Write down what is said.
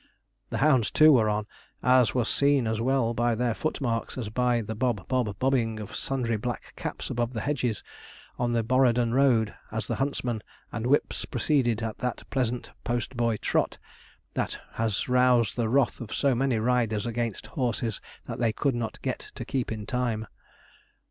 The hounds too, were on, as was seen as well by their footmarks, as by the bob, bob, bobbing of sundry black caps above the hedges, on the Borrowdon road as the huntsman and whips proceeded at that pleasant post boy trot, that has roused the wrath of so many riders against horses that they could not get to keep in time.